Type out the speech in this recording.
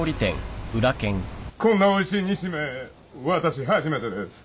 こんなおいしい煮しめわたし初めてです。